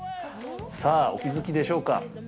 さあ、お気づきでしょうか。